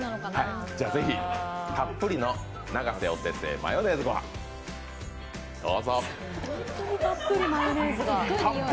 ぜひたっぷりの永瀬お手製マヨネーズご飯、どうぞ。